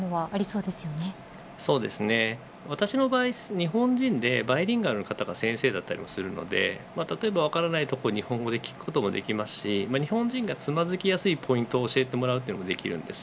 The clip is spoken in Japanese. そうですね、私の場合日本人でバイリンガルの方が先生だったりもするので例えば分からないことに日本語で聞くことできますし日本人がつまずきやすいポイントを教えてもらうというのもできるんです。